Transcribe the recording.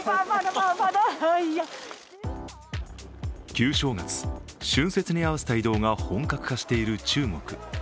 旧正月＝春節に合わせた移動が本格化している中国。